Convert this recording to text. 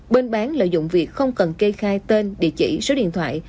bên bán lợi dụng việc không cần kê khai tên địa chỉ số điện thoại